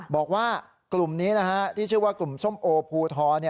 บอกว่ากลุ่มนี้ที่ชื่อว่ากลุ่มส้มโอภูทอ